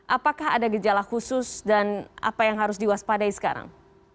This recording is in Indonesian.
apakah ada gejala khusus dan apa yang harus diwaspadai sekarang